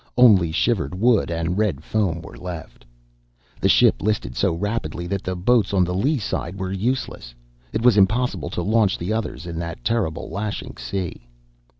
Only shivered wood and red foam were left. The ship listed so rapidly that the boats on the lee side were useless. It was impossible to launch the others in that terrible, lashing sea.